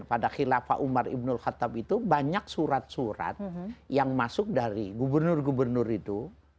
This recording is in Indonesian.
pada khilafah umar ibnul khatab itu banyak surat surat yang masuk dari gubernur gubernur itu